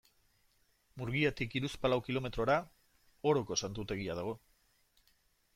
Murgiatik hiruzpalau kilometrora Oroko Santutegia dago.